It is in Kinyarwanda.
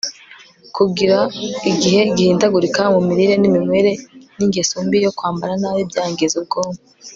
kugira igihe gihindagurika mu mirire n'iminywere, n'ingeso mbi yo kwambara nabi, byangiza ubwonko